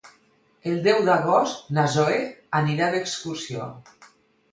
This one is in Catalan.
El deu d'agost na Zoè anirà d'excursió.